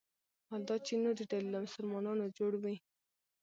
حال دا چې نورې ډلې له مسلمانانو جوړ وي.